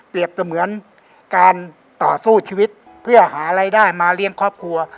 เปรียบจะเหมือนการต่อสู้ชีวิตเพื่อหาอะไรได้มาเลี้ยงครอบครัว